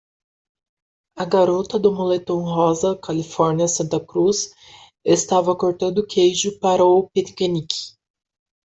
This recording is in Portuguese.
A garota do moletom rosa Califórnia Santa Cruz estava cortando queijo para o piquenique.